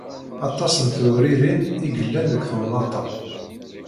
Aṭas n tewririn i yellan deg tmennaṭ-a.